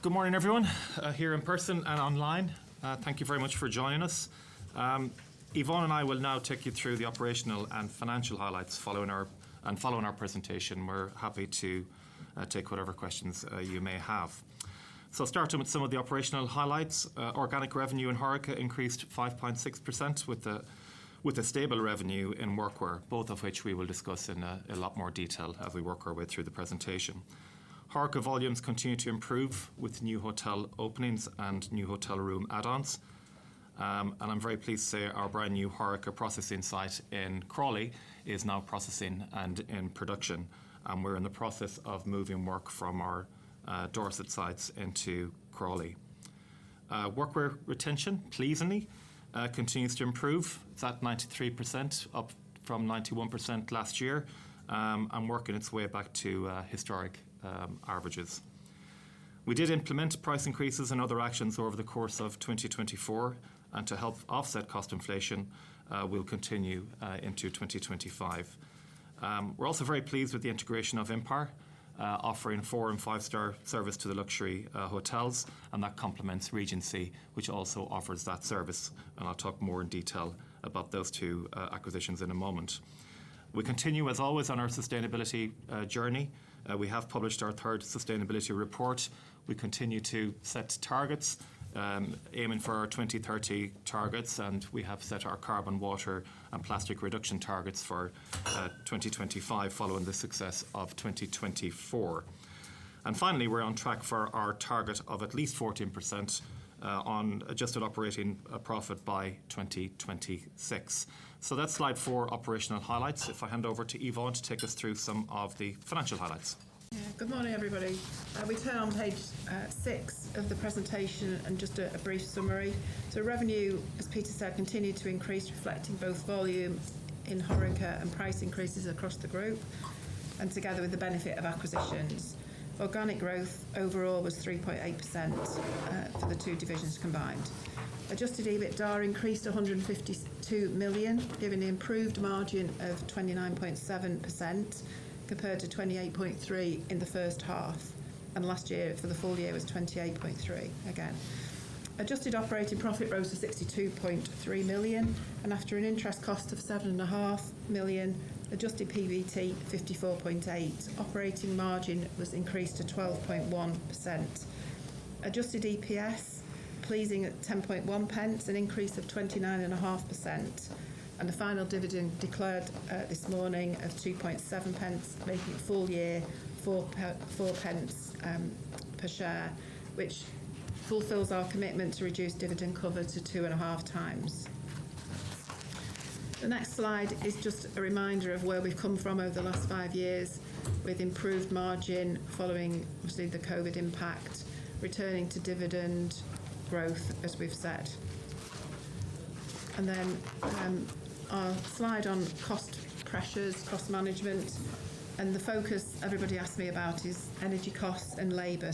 Good morning, everyone, here in person and online. Thank you very much for joining us. Yvonne and I will now take you through the operational and financial highlights following our presentation. We are happy to take whatever questions you may have. Starting with some of the operational highlights, organic revenue in HoReCa increased 5.6%, with a stable revenue in workwear, both of which we will discuss in a lot more detail as we work our way through the presentation. HoReCa volumes continue to improve with new hotel openings and new hotel room add-ons. I am very pleased to say our brand new HoReCa processing site in Crawley is now processing and in production. We are in the process of moving work from our Dorset sites into Crawley. Workwear retention, pleasingly, continues to improve. That is 93%, up from 91% last year, and working its way back to historic averages. We did implement price increases and other actions over the course of 2024. To help offset cost inflation, we'll continue into 2025. We're also very pleased with the integration of Empire, offering four and five-star service to the luxury hotels. That complements Regency, which also offers that service. I'll talk more in detail about those two acquisitions in a moment. We continue, as always, on our sustainability journey. We have published our third sustainability report. We continue to set targets, aiming for our 2030 targets. We have set our carbon, water, and plastic reduction targets for 2025, following the success of 2024. Finally, we're on track for our target of at least 14% on adjusted operating profit by 2026. That's slide four, operational highlights. If I hand over to Yvonne to take us through some of the financial highlights. Good morning, everybody. We turn on page six of the presentation and just a brief summary. Revenue, as Peter said, continued to increase, reflecting both volume in HoReCa and price increases across the group, together with the benefit of acquisitions. Organic growth overall was 3.8% for the two divisions combined. Adjusted EBITDA increased to 152 million, giving an improved margin of 29.7% compared to 28.3% in the first half. Last year, for the full year, it was 28.3% again. Adjusted operating profit rose to 62.3 million. After an interest cost of 7.5 million, adjusted PVT was 54.8 million. Operating margin was increased to 12.1%. Adjusted EPS, pleasing, at GBX 10.1, an increase of 29.5%. The final dividend declared this morning of GBX 2.7, making it full year GBX 4 per share, which fulfills our commitment to reduce dividend cover to 2.5x. The next slide is just a reminder of where we've come from over the last five years, with improved margin following, obviously, the COVID impact, returning to dividend growth, as we've said. Our slide on cost pressures, cost management. The focus everybody asked me about is energy costs and labor.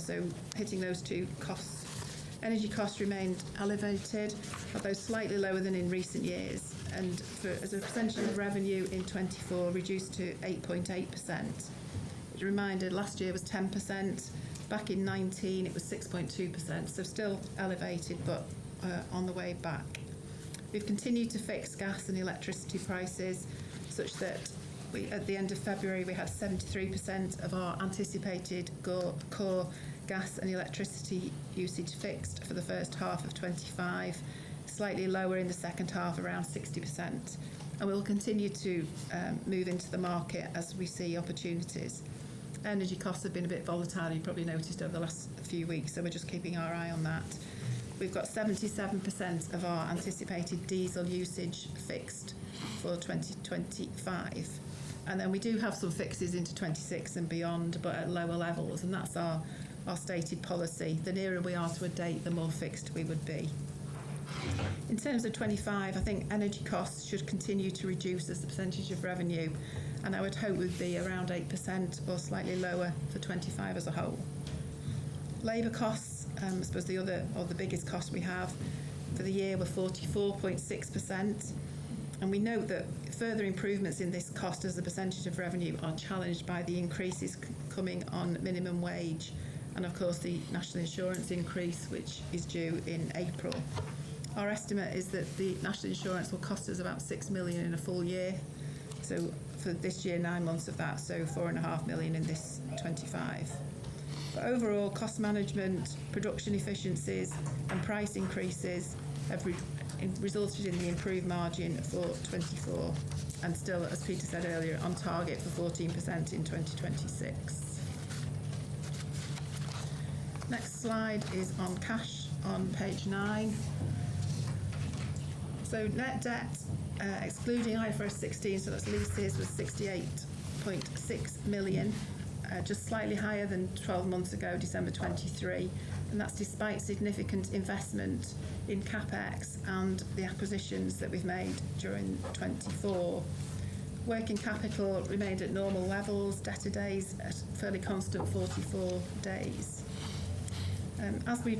Hitting those two costs, energy costs remained elevated, although slightly lower than in recent years. As a percentage of revenue in 2024, reduced to 8.8%. As a reminder, last year was 10%. Back in 2019, it was 6.2%. Still elevated, but on the way back. We've continued to fix gas and electricity prices such that at the end of February, we had 73% of our anticipated core gas and electricity usage fixed for the first half of 2025, slightly lower in the second half, around 60%. We will continue to move into the market as we see opportunities. Energy costs have been a bit volatile, you've probably noticed, over the last few weeks. We are just keeping our eye on that. We have 77% of our anticipated diesel usage fixed for 2025. We do have some fixes into 2026 and beyond, but at lower levels. That is our stated policy. The nearer we are to a date, the more fixed we would be. In terms of 2025, I think energy costs should continue to reduce as a percentage of revenue. I would hope we would be around 8% or slightly lower for 2025 as a whole. Labour costs, I suppose the other or the biggest cost we have for the year, were 44.6%. We note that further improvements in this cost as a percentage of revenue are challenged by the increases coming on minimum wage. Of course, the National Insurance increase, which is due in April. Our estimate is that the National Insurance will cost us about 6 million in a full year. For this year, nine months of that, so 4.5 million in 2025. Overall, cost management, production efficiencies, and price increases have resulted in the improved margin for 2024. Still, as Peter said earlier, on target for 14% in 2026. The next slide is on cash on page nine. Net debt, excluding IFRS 16, so that is leases, was 68.6 million, just slightly higher than 12 months ago, December 2023. That is despite significant investment in CapEx and the acquisitions that we have made during 2024. Working capital remained at normal levels, debtor days at fairly constant 44 days. As we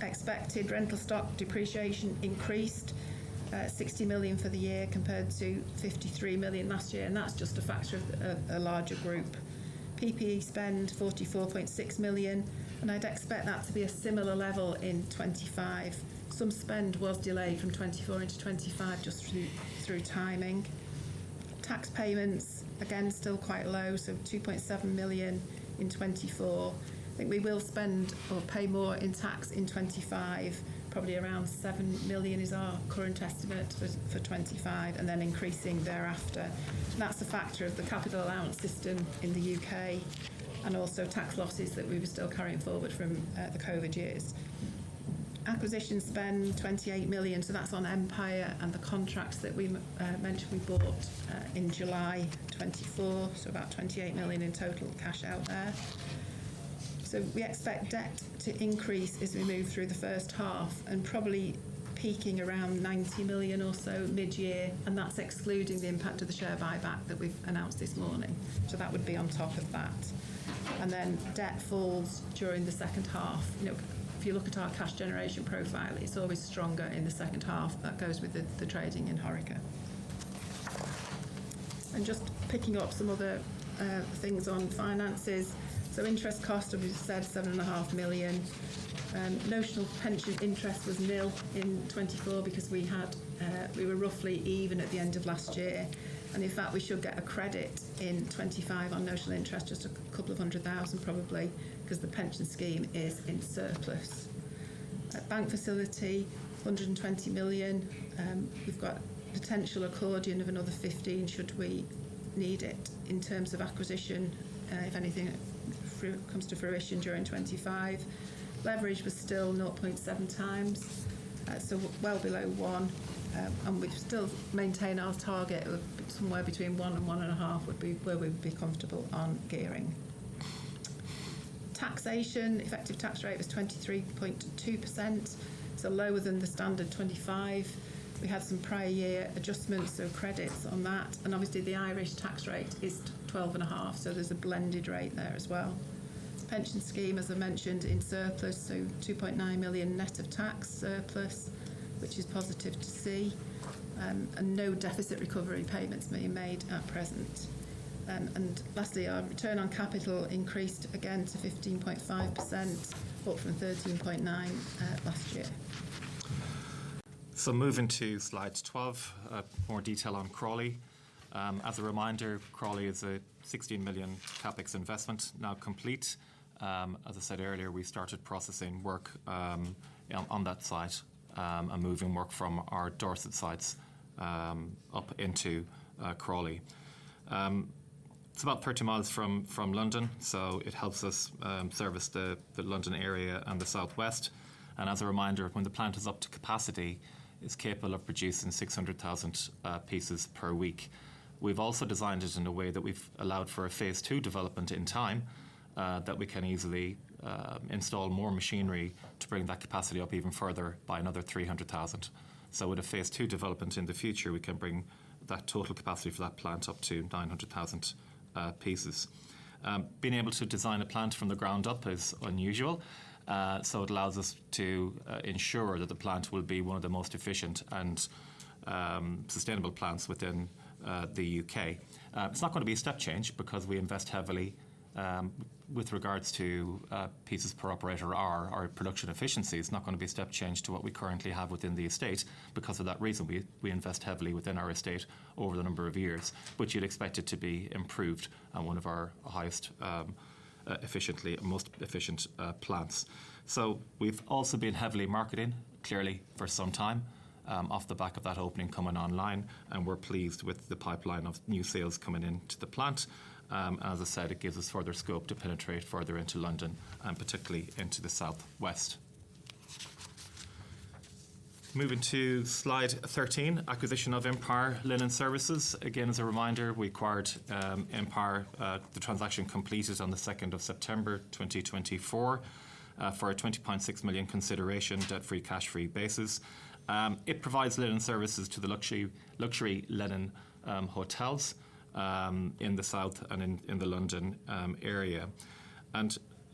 expected, rental stock depreciation increased, 60 million for the year compared to 53 million last year. That is just a factor of a larger group. CapEx spend, 44.6 million. I would expect that to be a similar level in 2025. Some spend was delayed from 2024 into 2025 just through timing. Tax payments, again, still quite low, so 2.7 million in 2024. I think we will spend or pay more in tax in 2025, probably around 7 million is our current estimate for 2025, and then increasing thereafter. That is a factor of the capital allowance system in the U.K. and also tax losses that we were still carrying forward from the COVID years. Acquisition spend, 28 million. That is on Empire and the contracts that we mentioned we bought in July 2024. is about 28 million in total cash out there. We expect debt to increase as we move through the first half and probably peaking around 90 million or so mid-year. That is excluding the impact of the share buyback that we have announced this morning. That would be on top of that. Debt falls during the second half. If you look at our cash generation profile, it is always stronger in the second half. That goes with the trading in HoReCa. Just picking up some other things on finances. Interest cost, as we said, 7.5 million. Notional pension interest was nil in 2024 because we were roughly even at the end of last year. In fact, we should get a credit in 2025 on notional interest, just a couple of hundred thousand probably, because the pension scheme is in surplus. Bank facility, 120 million. We've got potential accordion of another 15 million should we need it in terms of acquisition, if anything comes to fruition during 2025. Leverage was still 0.7x, so well below one. We'd still maintain our target of somewhere between 1 million and 1.5 million would be where we would be comfortable on gearing. Taxation, effective tax rate was 23.2%. Lower than the standard 25%. We had some prior year adjustments, so credits on that. Obviously, the Irish tax rate is 12.5%. There's a blended rate there as well. Pension scheme, as I mentioned, in surplus, so 2.9 million net of tax surplus, which is positive to see. No deficit recovery payments being made at present. Lastly, our return on capital increased again to 15.5%, up from 13.9% last year. Moving to slide 12, more detail on Crawley. As a reminder, Crawley is a 16 million CapEx investment now complete. As I said earlier, we started processing work on that site and moving work from our Dorset sites up into Crawley. It is about 30 mi from London, so it helps us service the London area and the South West. As a reminder, when the plant is up to capacity, it is capable of producing 600,000 pieces per week. We have also designed it in a way that we have allowed for a phase II development in time that we can easily install more machinery to bring that capacity up even further by another 300,000. With a phase two development in the future, we can bring that total capacity for that plant up to 900,000 pieces. Being able to design a plant from the ground up is unusual. It allows us to ensure that the plant will be one of the most efficient and sustainable plants within the U.K. It's not going to be a step change because we invest heavily with regards to pieces per operator. Our production efficiency is not going to be a step change to what we currently have within the estate. Because of that reason, we invest heavily within our estate over the number of years, but you'd expect it to be improved and one of our highest efficiently, most efficient plants. We have also been heavily marketing, clearly, for some time off the back of that opening coming online. We are pleased with the pipeline of new sales coming into the plant. As I said, it gives us further scope to penetrate further into London and particularly into the South West. Moving to slide 13, acquisition of Empire Linen Services. Again, as a reminder, we acquired Empire. The transaction completed on the 2nd of September 2024 for a 20.6 million consideration, debt-free, cash-free basis. It provides linen services to the luxury linen hotels in the South and in the London area.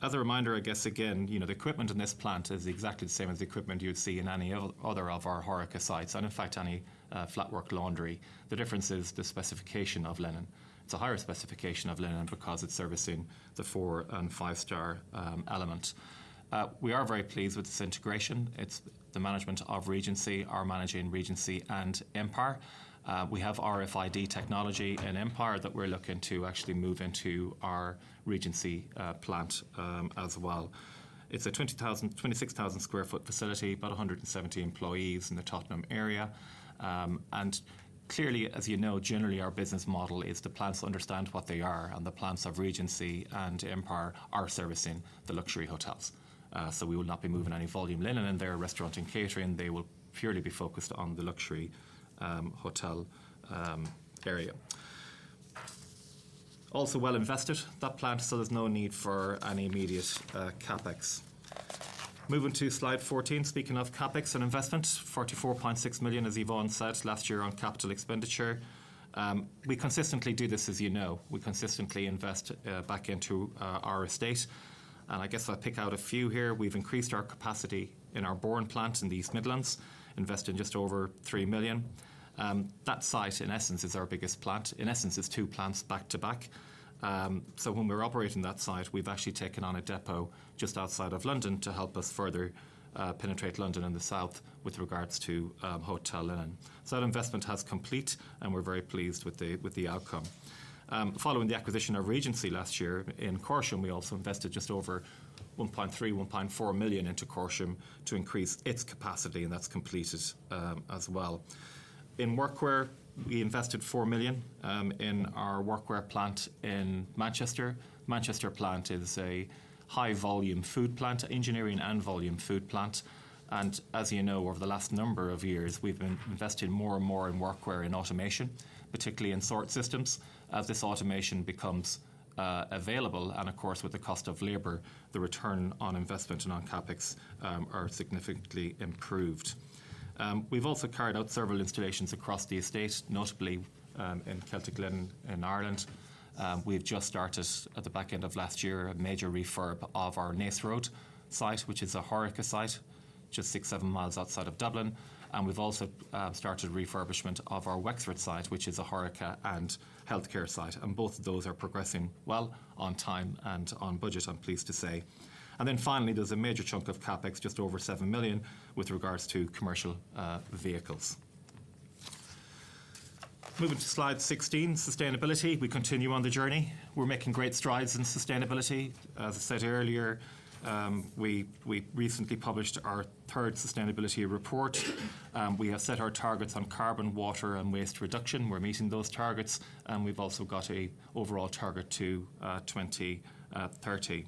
As a reminder, I guess, again, the equipment in this plant is exactly the same as the equipment you'd see in any other of our HoReCa sites and, in fact, any flatwork laundry. The difference is the specification of linen. It's a higher specification of linen because it's servicing the four and five-star element. We are very pleased with this integration. It's the management of Regency, our managing Regency and Empire. We have RFID technology in Empire that we're looking to actually move into our Regency plant as well. It's a 26,000 sq ft facility, about 170 employees in the Tottenham area. Clearly, as you know, generally, our business model is the plants understand what they are. The plants of Regency and Empire are servicing the luxury hotels. We will not be moving any volume linen in there, restaurant and catering. They will purely be focused on the luxury hotel area. Also well invested, that plant, so there is no need for any immediate CapEx. Moving to slide 14, speaking of CapEx and investment, 44.6 million, as Yvonne said, last year on capital expenditure. We consistently do this, as you know. We consistently invest back into our estate. I guess I will pick out a few here. We have increased our capacity in our Bourne plant in the East Midlands, invested just over 3 million. That site, in essence, is our biggest plant. In essence, it is two plants back to back. When we're operating that site, we've actually taken on a depot just outside of London to help us further penetrate London and the South with regards to hotel linen. That investment has completed, and we're very pleased with the outcome. Following the acquisition of Regency last year in Corsham, we also invested just over 1.3-1.4 million into Corsham to increase its capacity, and that's completed as well. In workwear, we invested 4 million in our workwear plant in Manchester. The Manchester plant is a high-volume food plant, engineering and volume food plant. As you know, over the last number of years, we've been investing more and more in workwear and automation, particularly in sort systems. As this automation becomes available and, of course, with the cost of labor, the return on investment and on CapEx are significantly improved. We've also carried out several installations across the estate, notably in Celtic Linen in Ireland. We've just started, at the back end of last year, a major refurb of our Naas Road site, which is a HoReCa site, just six, seven miles outside of Dublin. We've also started refurbishment of our Wexford site, which is a HoReCa and healthcare site. Both of those are progressing well on time and on budget, I'm pleased to say. Finally, there's a major chunk of CapEx, just over 7 million, with regards to commercial vehicles. Moving to slide 16, sustainability. We continue on the journey. We're making great strides in sustainability. As I said earlier, we recently published our third sustainability report. We have set our targets on carbon, water, and waste reduction. We're meeting those targets. We've also got an overall target to 2030.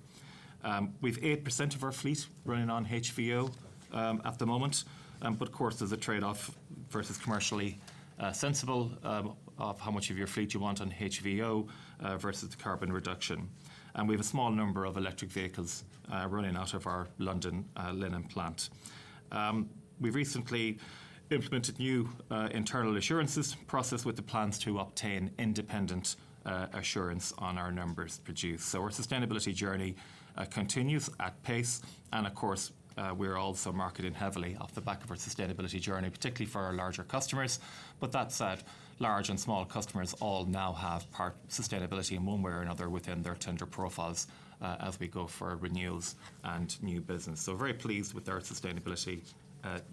We have 8% of our fleet running on HVO at the moment. Of course, there is a trade-off versus commercially sensible of how much of your fleet you want on HVO versus the carbon reduction. We have a small number of electric vehicles running out of our London linen plant. We have recently implemented a new internal assurances process with the plans to obtain independent assurance on our numbers produced. Our sustainability journey continues at pace. We are also marketing heavily off the back of our sustainability journey, particularly for our larger customers. That said, large and small customers all now have part sustainability in one way or another within their tender profiles as we go for renewals and new business. Very pleased with our sustainability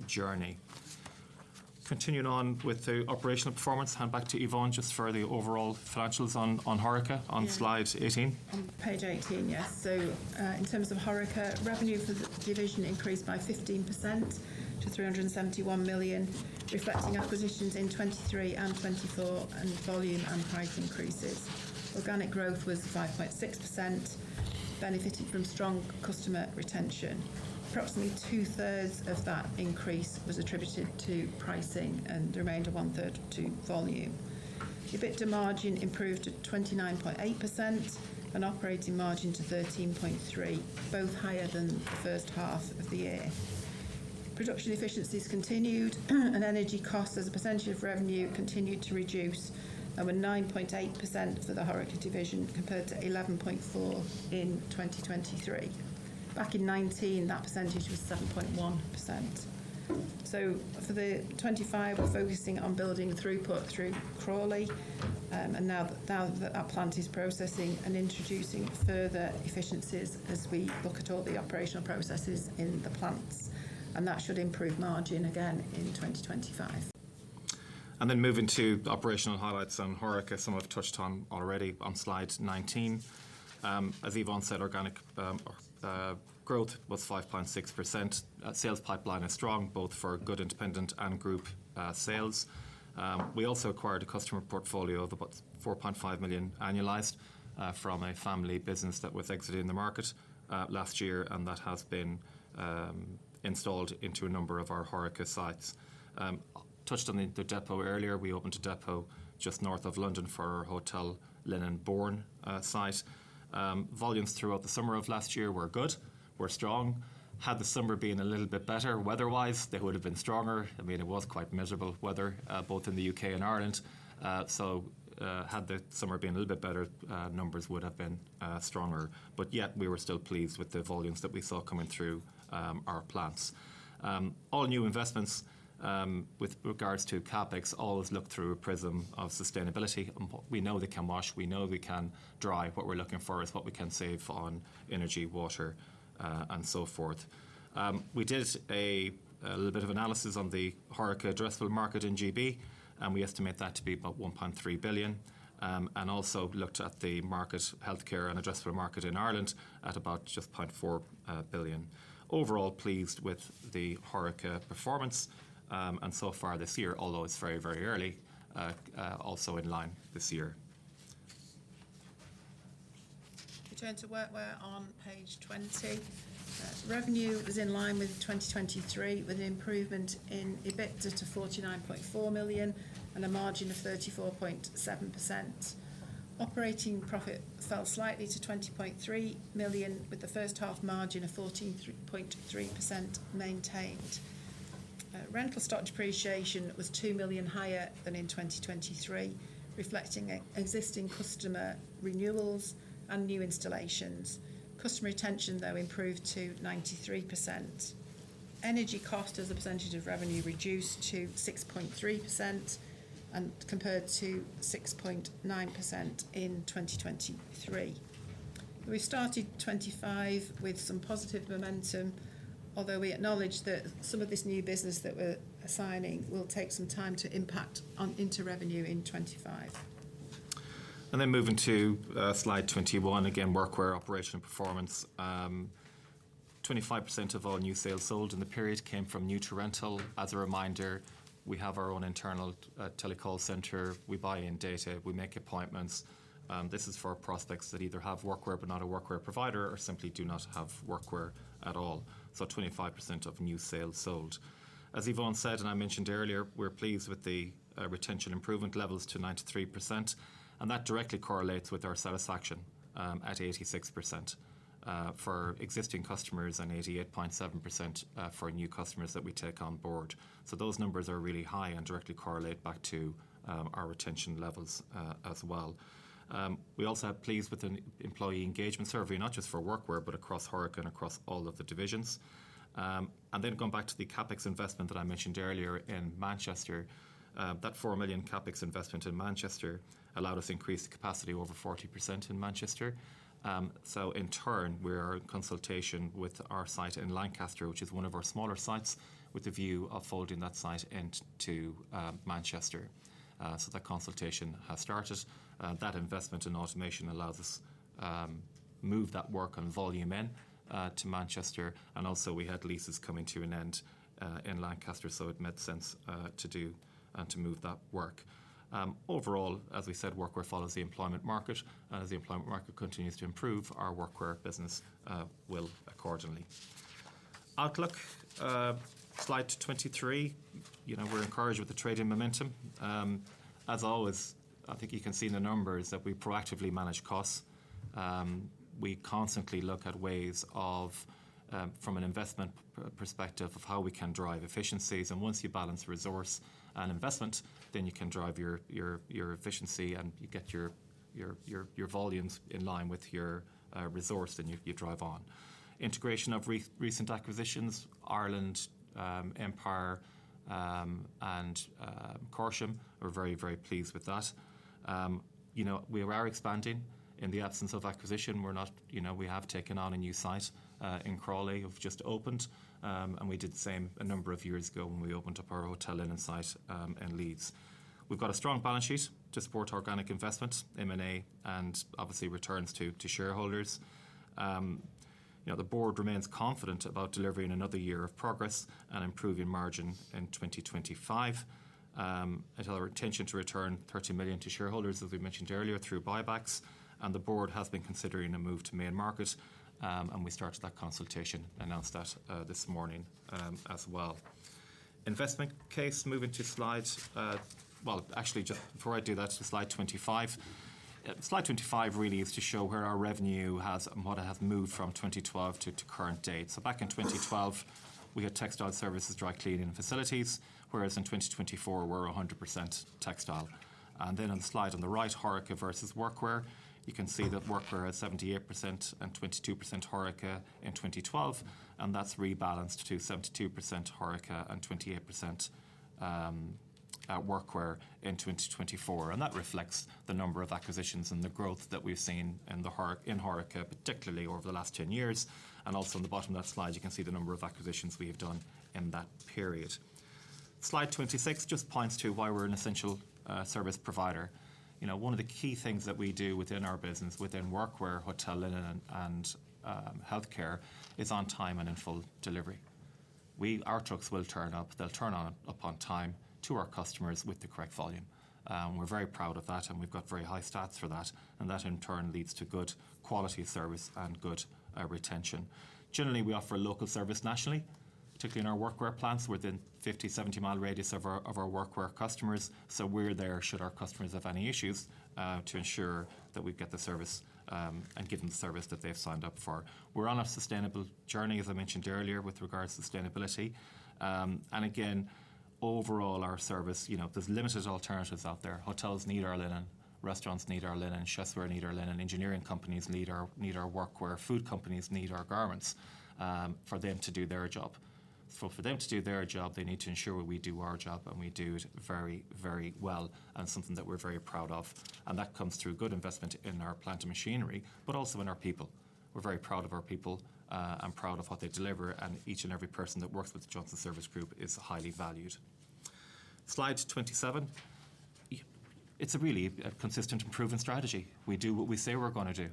journey. Continuing on with the operational performance, hand back to Yvonne just for the overall financials on HoReCa on slide 18. On page 18, yes. In terms of HoReCa, revenue for the division increased by 15% to 371 million, reflecting acquisitions in 2023 and 2024 and volume and price increases. Organic growth was 5.6%, benefiting from strong customer retention. Approximately 2/3 of that increase was attributed to pricing and the remainder one-third to volume. Effective margin improved to 29.8% and operating margin to 13.3%, both higher than the first half of the year. Production efficiencies continued, and energy costs as a percentage of revenue continued to reduce, and were 9.8% for the HoReCa division compared to 11.4% in 2023. Back in 2019, that percentage was 7.1%. For 2025, we are focusing on building throughput through Crawley, now that that plant is processing and introducing further efficiencies as we look at all the operational processes in the plants. That should improve margin again in 2025. Moving to operational highlights on HoReCa, some I have touched on already on slide 19. As Yvonne said, organic growth was 5.6%. Sales pipeline is strong, both for good independent and group sales. We also acquired a customer portfolio of about 4.5 million annualized from a family business that was exited in the market last year, and that has been installed into a number of our HoReCa sites. Touched on the depot earlier, we opened a depot just north of London for our hotel linen Bourne site. Volumes throughout the summer of last year were good. We are strong. Had the summer been a little bit better weather-wise, they would have been stronger. I mean, it was quite miserable weather, both in the U.K. and Ireland. Had the summer been a little bit better, numbers would have been stronger. Yet, we were still pleased with the volumes that we saw coming through our plants. All new investments with regards to CapEx always look through a prism of sustainability. We know they can wash. We know they can dry. What we're looking for is what we can save on energy, water, and so forth. We did a little bit of analysis on the HoReCa addressable market in the U.K., and we estimate that to be about 1.3 billion. We also looked at the healthcare addressable market in Ireland at about just 0.4 billion. Overall, pleased with the HoReCa performance and so far this year, although it's very, very early, also in line this year. We turn to workwear on page 20. Revenue was in line with 2023, with an improvement in EBITDA to 49.4 million and a margin of 34.7%. Operating profit fell slightly to 20.3 million, with the first half margin of 14.3% maintained. Rental stock depreciation was 2 million higher than in 2023, reflecting existing customer renewals and new installations. Customer retention, though, improved to 93%. Energy cost as a percentage of revenue reduced to 6.3% compared to 6.9% in 2023. We have started 2025 with some positive momentum, although we acknowledge that some of this new business that we are assigning will take some time to impact on inter-revenue in 2025. Moving to slide 21, again, workwear, operational performance. 25% of all new sales sold in the period came from new to rental. As a reminder, we have our own internal telecall center. We buy in data. We make appointments. This is for prospects that either have workwear but not a workwear provider or simply do not have workwear at all. 25% of new sales sold. As Yvonne said and I mentioned earlier, we're pleased with the retention improvement levels to 93%. That directly correlates with our satisfaction at 86% for existing customers and 88.7% for new customers that we take on board. Those numbers are really high and directly correlate back to our retention levels as well. We also are pleased with the employee engagement survey, not just for workwear, but across HoReCa and across all of the divisions. Going back to the CapEx investment that I mentioned earlier in Manchester, that 4 million CapEx investment in Manchester allowed us to increase the capacity over 40% in Manchester. In turn, we're in consultation with our site in Lancaster, which is one of our smaller sites, with the view of folding that site into Manchester. That consultation has started. That investment in automation allows us to move that work and volume into Manchester. Also, we had leases coming to an end in Lancaster, so it made sense to do and to move that work. Overall, as we said, workwear follows the employment market. As the employment market continues to improve, our workwear business will accordingly. Outlook, slide 23. We're encouraged with the trading momentum. As always, I think you can see in the numbers that we proactively manage costs. We constantly look at ways from an investment perspective of how we can drive efficiencies. Once you balance resource and investment, then you can drive your efficiency and you get your volumes in line with your resource and you drive on. Integration of recent acquisitions, Ireland, Empire, and Corsham, we're very, very pleased with that. We are expanding in the absence of acquisition. We have taken on a new site in Crawley. We've just opened. We did the same a number of years ago when we opened up our hotel linen site in Leeds. We've got a strong balance sheet to support organic investment, M&A, and obviously returns to shareholders. The board remains confident about delivering another year of progress and improving margin in 2025. It's our intention to return 30 million to shareholders, as we mentioned earlier, through buybacks. The board has been considering a move to main market. We started that consultation and announced that this morning as well. Investment case, moving to slide. Actually, before I do that, slide 25. Slide 25 really is to show where our revenue has and what has moved from 2012 to current date. Back in 2012, we had textile services, dry cleaning, and facilities, whereas in 2024, we are 100% textile. On the slide on the right, HoReCa versus workwear. You can see that workwear has 78% and 22% HoReCa in 2012. That is rebalanced to 72% HoReCa and 28% workwear in 2024. That reflects the number of acquisitions and the growth that we have seen in HoReCa, particularly over the last 10 years. Also, on the bottom of that slide, you can see the number of acquisitions we have done in that period. Slide 26 just points to why we're an essential service provider. One of the key things that we do within our business, within workwear, hotel linen, and healthcare, is on time and in full delivery. Our trucks will turn up. They'll turn up on time to our customers with the correct volume. We're very proud of that, and we've got very high stats for that. That, in turn, leads to good quality service and good retention. Generally, we offer local service nationally, particularly in our workwear plants within a 50-70 mi radius of our workwear customers. We are there should our customers have any issues to ensure that we get the service and get them the service that they've signed up for. We're on a sustainable journey, as I mentioned earlier, with regards to sustainability. Overall, our service, there's limited alternatives out there. Hotels need our linen. Restaurants need our linen. Chessware needs our linen. Engineering companies need our workwear. Food companies need our garments for them to do their job. For them to do their job, they need to ensure we do our job, and we do it very, very well, and something that we're very proud of. That comes through good investment in our plant and machinery, but also in our people. We're very proud of our people and proud of what they deliver. Each and every person that works with Johnson Service Group is highly valued. Slide 27. It's really a consistent improvement strategy. We do what we say we're going to do.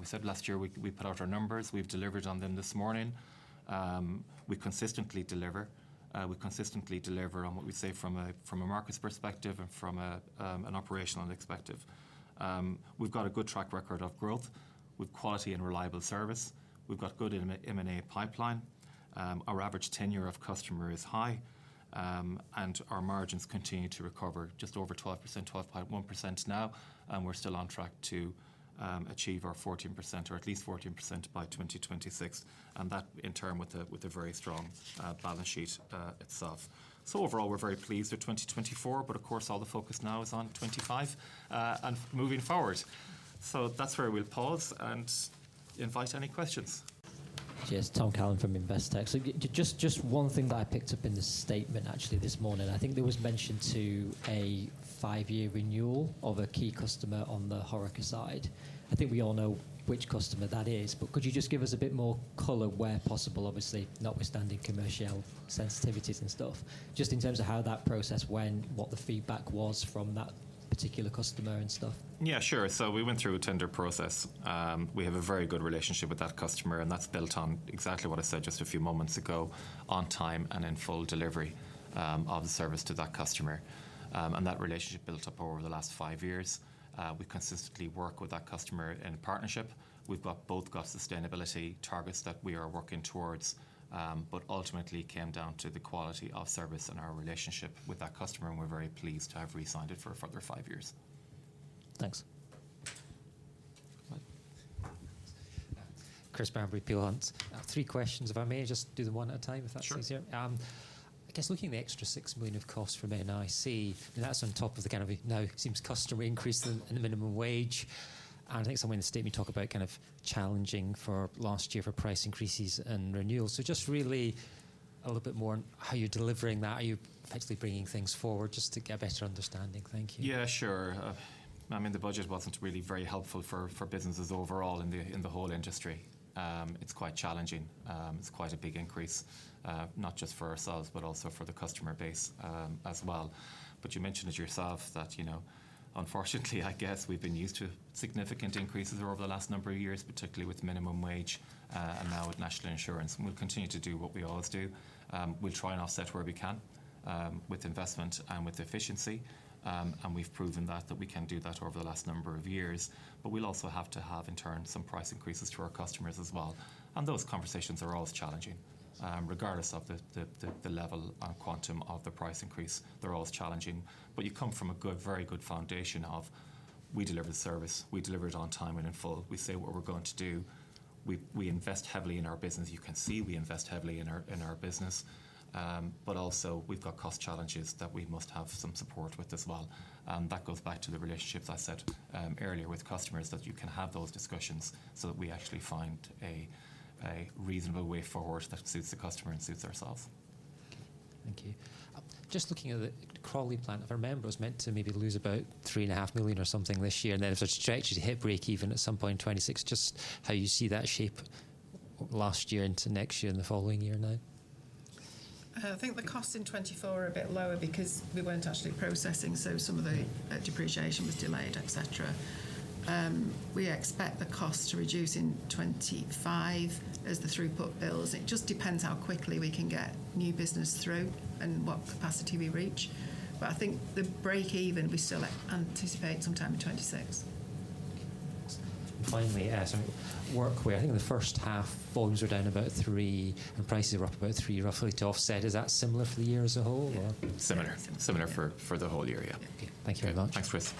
We said last year we put out our numbers. We've delivered on them this morning. We consistently deliver. We consistently deliver on what we say from a market perspective and from an operational perspective. We've got a good track record of growth with quality and reliable service. We've got good M&A pipeline. Our average tenure of customer is high, and our margins continue to recover just over 12%, 12.1% now. We're still on track to achieve our 14% or at least 14% by 2026. That, in turn, with a very strong balance sheet itself. Overall, we're very pleased with 2024. Of course, all the focus now is on 2025 and moving forward. That's where we'll pause and invite any questions. Yes, Tom Callan from Investec. Just one thing that I picked up in the statement actually this morning. I think there was mention to a five-year renewal of a key customer on the HoReCa side. I think we all know which customer that is. Could you just give us a bit more color where possible, obviously, notwithstanding commercial sensitivities and stuff, just in terms of how that process went, what the feedback was from that particular customer and stuff? Yeah, sure. We went through a tender process. We have a very good relationship with that customer, and that's built on exactly what I said just a few moments ago, on time and in full delivery of the service to that customer. That relationship built up over the last five years. We consistently work with that customer in partnership. We've both got sustainability targets that we are working towards, but ultimately it came down to the quality of service and our relationship with that customer. We're very pleased to have re-signed it for a further five years. Thanks. Chris Bamberry, Peel Hunt, three questions, if I may. Just do them one at a time if that's easier. I guess looking at the extra 6 million of costs from NIC, that's on top of the kind of now it seems customer increase in the minimum wage. I think somewhere in the statement you talk about kind of challenging for last year for price increases and renewals. Just really a little bit more on how you're delivering that. Are you potentially bringing things forward just to get a better understanding? Thank you. Yeah, sure. I mean, the budget was not really very helpful for businesses overall in the whole industry. It is quite challenging. It is quite a big increase, not just for ourselves, but also for the customer base as well. You mentioned it yourself that, unfortunately, I guess we have been used to significant increases over the last number of years, particularly with minimum wage and now with national insurance. We will continue to do what we always do. We will try and offset where we can with investment and with efficiency. We have proven that we can do that over the last number of years. We will also have to have, in turn, some price increases to our customers as well. Those conversations are always challenging. Regardless of the level and quantum of the price increase, they are always challenging. You come from a very good foundation of we deliver the service. We deliver it on time and in full. We say what we're going to do. We invest heavily in our business. You can see we invest heavily in our business. We have cost challenges that we must have some support with as well. That goes back to the relationships I said earlier with customers that you can have those discussions so that we actually find a reasonable way forward that suits the customer and suits ourselves. Thank you. Just looking at the Crawley plant, I remember it was meant to maybe lose about 3.5 million or something this year. And then if there is a trajectory to hit break even at some point in 2026, just how you see that shape last year into next year and the following year now? I think the costs in 2024 are a bit lower because we were not actually processing. So some of the depreciation was delayed, etc. We expect the costs to reduce in 2025 as the throughput builds. It just depends how quickly we can get new business through and what capacity we reach. I think the break even, we still anticipate sometime in 2026. Finally, workwear, I think in the first half, volumes were down about 3% and prices were up about 3% roughly to offset. Is that similar for the year as a whole? Similar. Similar for the whole year, yeah. Okay. Thank you very much. Thanks, Chris.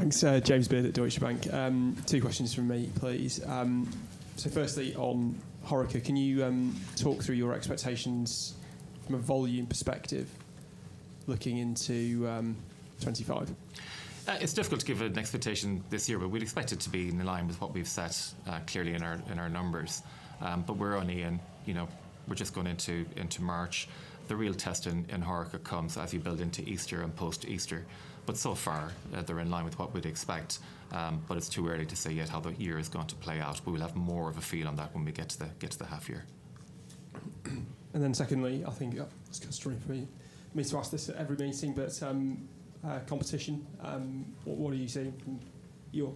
Thanks, James Beard at Deutsche Bank. Two questions from me, please. Firstly, on HoReCa, can you talk through your expectations from a volume perspective looking into 2025? It's difficult to give an expectation this year, but we'd expect it to be in line with what we've set clearly in our numbers. We're only in, we're just going into March. The real test in HoReCa comes as you build into Easter and post-Easter. So far, they're in line with what we'd expect. It's too early to say yet how the year is going to play out. We will have more of a feel on that when we get to the half year. I think it's kind of strange for me to ask this at every meeting, but competition, what are you seeing from your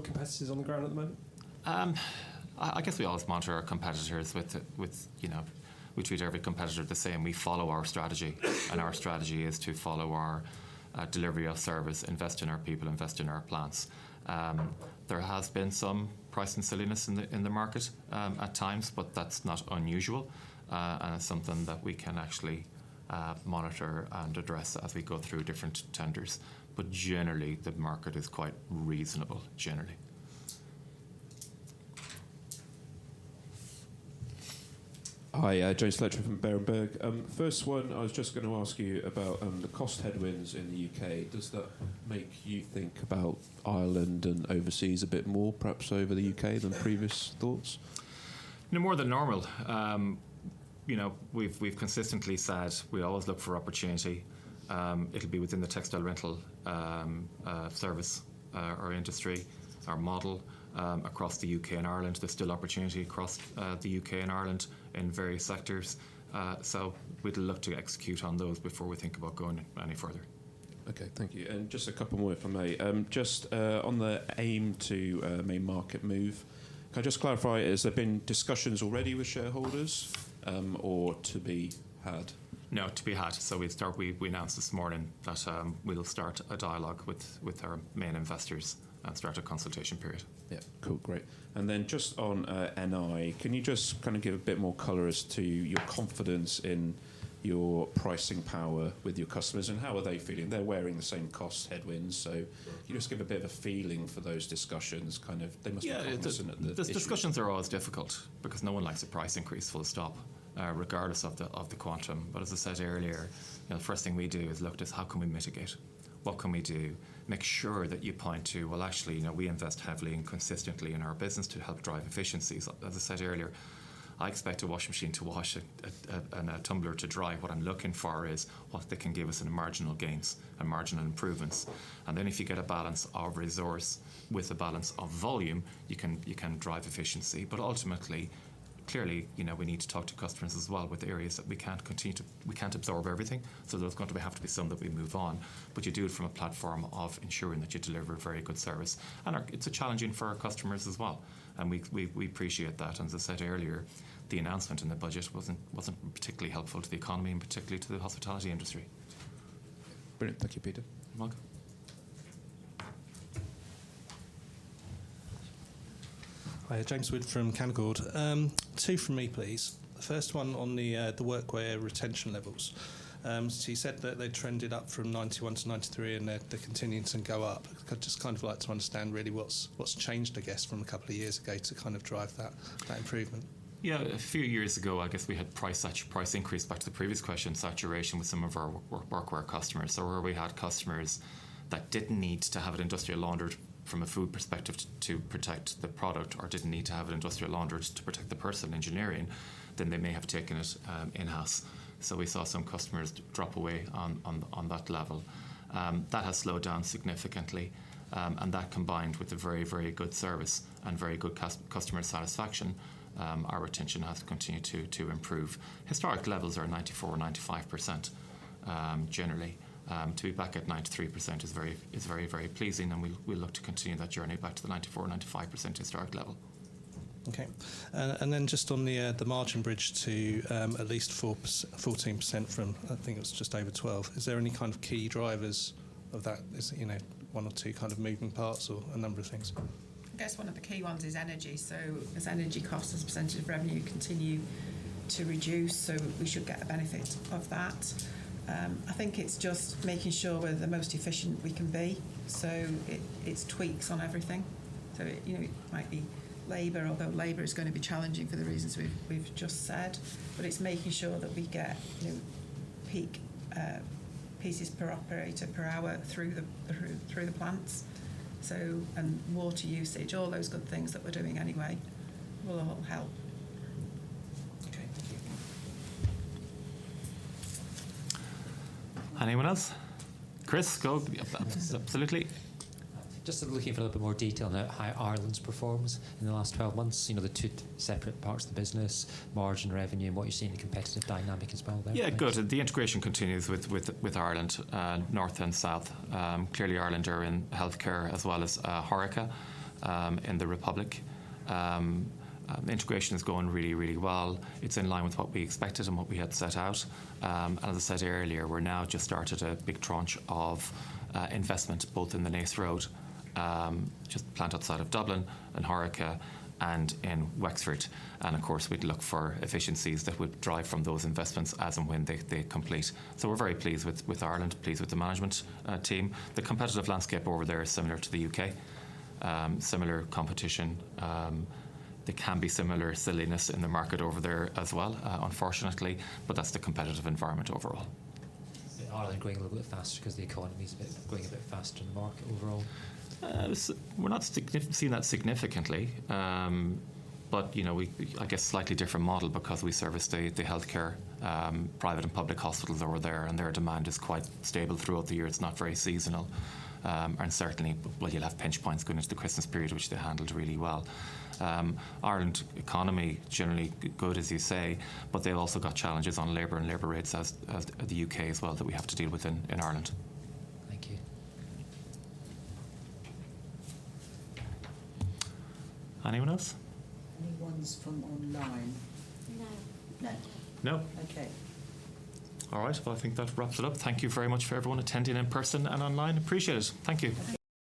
competitors on the ground at the moment? I guess we always monitor our competitors. We treat every competitor the same. We follow our strategy. Our strategy is to follow our delivery of service, invest in our people, invest in our plants. There has been some price unsilliness in the market at times, but that's not unusual. It's something that we can actually monitor and address as we go through different tenders. Generally, the market is quite reasonable, generally. Hi, James Fletcher from Berenberg. First one, I was just going to ask you about the cost headwinds in the U.K. Does that make you think about Ireland and overseas a bit more, perhaps over the U.K. than previous thoughts? More than normal. We've consistently said we always look for opportunity. It could be within the textile rental service or industry, our model across the U.K. and Ireland. There's still opportunity across the U.K. and Ireland in various sectors. We would look to execute on those before we think about going any further. Okay, thank you. Just a couple more if I may. Just on the aim to main market move, can I just clarify? Has there been discussions already with shareholders or to be had? No, to be had. We announced this morning that we'll start a dialogue with our main investors and start a consultation period. Yeah, cool. Great. Just on NI, can you just kind of give a bit more color as to your confidence in your pricing power with your customers and how are they feeling? They're wearing the same cost headwinds. Can you just give a bit of a feeling for those discussions? Kind of they must be complicit in it. Yeah, the discussions are always difficult because no one likes a price increase full stop, regardless of the quantum. As I said earlier, the first thing we do is look at how can we mitigate? What can we do? Make sure that you point to, well, actually, we invest heavily and consistently in our business to help drive efficiencies. As I said earlier, I expect a washing machine to wash and a tumbler to dry. What I'm looking for is what they can give us in marginal gains and marginal improvements. If you get a balance of resource with a balance of volume, you can drive efficiency. Ultimately, clearly, we need to talk to customers as well with areas that we can't continue to we can't absorb everything. There's going to have to be some that we move on. You do it from a platform of ensuring that you deliver a very good service. It is challenging for our customers as well. We appreciate that. As I said earlier, the announcement in the budget was not particularly helpful to the economy and particularly to the hospitality industry. Brilliant. Thank you, Peter. You're welcome. Hi, James Wood from Canaccord. Two from me, please. The first one on the workwear retention levels. You said that they trended up from 91%-93%, and they're continuing to go up. I'd just kind of like to understand really what's changed, I guess, from a couple of years ago to kind of drive that improvement. Yeah, a few years ago, I guess we had price increase, back to the previous question, saturation with some of our workwear customers. Where we had customers that did not need to have it industrially laundered from a food perspective to protect the product or did not need to have it industrially laundered to protect the person engineering, they may have taken it in-house. We saw some customers drop away on that level. That has slowed down significantly. That combined with the very, very good service and very good customer satisfaction, our retention has continued to improve. Historic levels are 94% or 95%, generally. To be back at 93% is very, very pleasing. We will look to continue that journey back to the 94% or 95% historic level. Okay. Just on the margin bridge to at least 14% from, I think it was just over 12%, is there any kind of key drivers of that? One or two kind of moving parts or a number of things? I guess one of the key ones is energy. As energy costs as a percentage of revenue continue to reduce, we should get the benefits of that. I think it's just making sure we're the most efficient we can be. It's tweaks on everything. It might be labor, although labor is going to be challenging for the reasons we've just said. It's making sure that we get peak pieces per operator per hour through the plants. Water usage, all those good things that we're doing anyway will all help. Okay. Thank you. Anyone else? Chris, go up. Absolutely. Just looking for a little bit more detail now, how Ireland's performed in the last 12 months, the two separate parts of the business, margin, revenue, and what you're seeing in the competitive dynamic as well there. Yeah, good. The integration continues with Ireland, north and south. Clearly, Ireland are in healthcare as well as HoReCa in the Republic. Integration is going really, really well. It is in line with what we expected and what we had set out. As I said earlier, we have now just started a big tranche of investment both in the Naas Road, just the plant outside of Dublin, in HoReCa, and in Wexford. Of course, we would look for efficiencies that would drive from those investments as and when they complete. We are very pleased with Ireland, pleased with the management team. The competitive landscape over there is similar to the U.K., similar competition. There can be similar silliness in the market over there as well, unfortunately. That is the competitive environment overall. Is Ireland growing a little bit faster because the economy's going a bit faster in the market overall? We're not seeing that significantly. I guess slightly different model because we service the healthcare, private and public hospitals over there. Their demand is quite stable throughout the year. It's not very seasonal. Certainly, you'll have pinch points going into the Christmas period, which they handled really well. Ireland economy, generally good, as you say. They've also got challenges on labor and labor rates as the U.K. as well that we have to deal with in Ireland. Thank you. Anyone else? Anyone from online? No. No. No. Okay. All right. I think that wraps it up. Thank you very much for everyone attending in person and online. Appreciate it. Thank you.